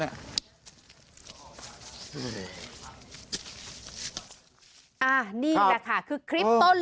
อันนี้แหละค่ะคือคลิปต้น